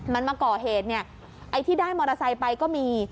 มันมาก่อเหตุที่ได้มอเตอร์ไซค์ไปก็มี